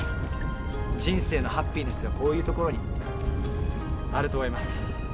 人生のハピネスというのはこういうところにあると思います。